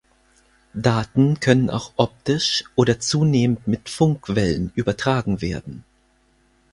Daten können auch optisch oder zunehmend mit Funkwellen übertragen werden.